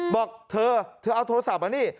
บอกเธอเธอเอาโทรศัพท์มานี่